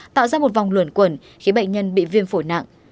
tạo ra một vòng luẩn quẩn khiến bệnh nhân bị viêm phổi nặng